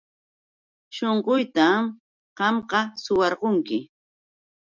Shunquytam qamqa suwarqunki.